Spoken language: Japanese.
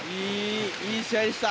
いい試合でした。